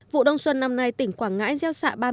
vụ đông xuân năm nay tỉnh quảng ngãi gieo xạ ba mươi tám hectare